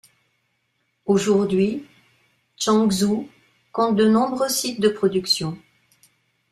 Aujourd'hui Changzhou compte de nombreux sites de production.